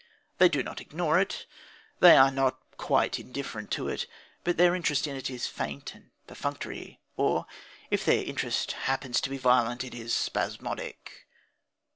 They do not ignore it; they are not quite indifferent to it. But their interest in it is faint and perfunctory; or, if their interest happens to be violent, it is spasmodic.